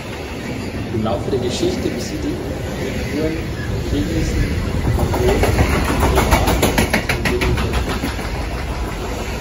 Im Laufe der Geschichte besiedelten Uiguren, Kirgisen, Mongolen und Oiraten das Mongolische Plateau.